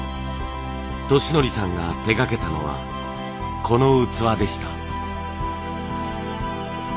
利訓さんが手がけたのはこの器でした。